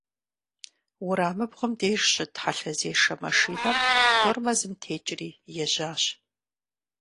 Уэрамыбгъум деж щыт хьэлъэзешэ машинэр тормозым текӀри ежьащ.